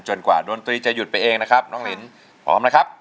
กว่าดนตรีจะหยุดไปเองนะครับน้องลินพร้อมนะครับ